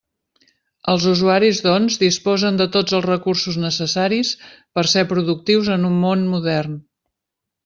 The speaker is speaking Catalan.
Els usuaris, doncs, disposen de tots els recursos necessaris per ser productius en un món modern.